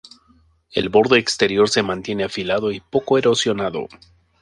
El borde exterior se mantiene afilado y poco erosionado.